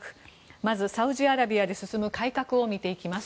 まずサウジアラビアで進む改革を見ていきます。